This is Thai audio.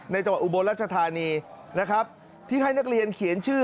จังหวัดอุบลรัชธานีนะครับที่ให้นักเรียนเขียนชื่อ